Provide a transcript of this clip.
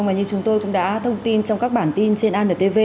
mà như chúng tôi cũng đã thông tin trong các bản tin trên antv